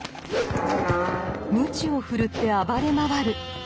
鞭を振るって暴れ回る！